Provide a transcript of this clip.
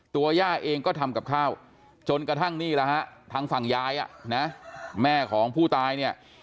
ย่าเองก็ทำกับข้าวจนกระทั่งนี่แหละฮะทางฝั่งยายแม่ของผู้ตายเนี่ย